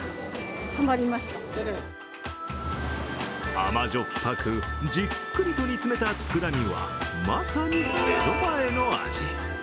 甘じょっぱく、じっくりと煮詰めた、つくだ煮はまさに江戸前の味。